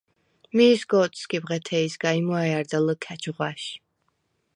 მიი სგო̄თსკი ბღეთეჲსგა, იმვა̈ჲ არდა ლჷქა̈ჩ ღვაშ.